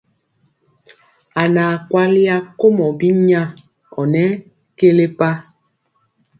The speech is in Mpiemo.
A naa kwali akomɔ binya ɔ nɔ kelepa.